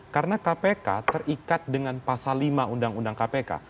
karena kpk terikat dengan pasal lima undang undang kpk